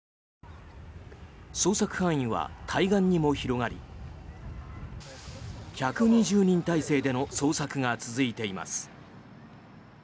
捜索範囲は対岸にも広がり１２０人態勢での捜索が続いています。